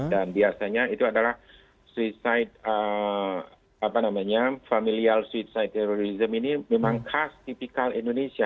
dan biasanya itu adalah suicide apa namanya familial suicide terrorism ini memang khas tipikal indonesia